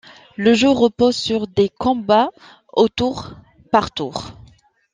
Le jeu repose sur des combats au tour par tour.